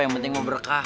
yang penting mau berkah